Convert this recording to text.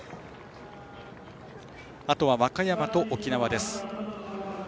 あとは和歌山と沖縄です。